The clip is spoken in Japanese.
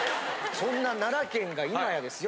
そんな奈良県が今やですよ